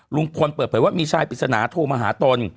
ลุงพลเปิดเผยว่ามีชายปริศนาโทรมาหาตน